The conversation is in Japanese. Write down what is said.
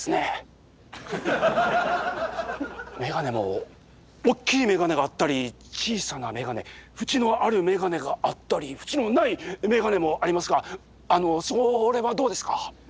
眼鏡も大きい眼鏡があったり小さな眼鏡縁のある眼鏡があったり縁のない眼鏡もありますがそれはどうですか？